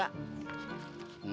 gak ada ya